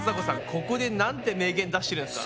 ここでなんて名言出してるんですか。